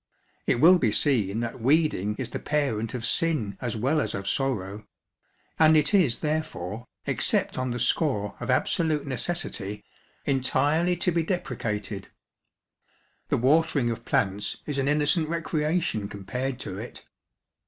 It will be seen that weeding is the parent of sin as well as of sorrow ; and it is therefore, except on the score of absolute necessity, entirely On Gardening. 133 to be deprecated. The watering of plants is an innocent recreation compared to it.